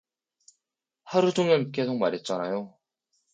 하루 종일 계속 말했잖아요.